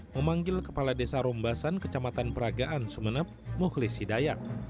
memanggil kepala desa rombasan kecamatan peragaan sumeneb mukhlis hidayat